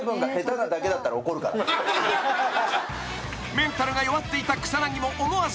［メンタルが弱っていた草薙も思わず完食］